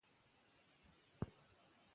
ایا بهرني پاچاهان به پر هند برید وکړي؟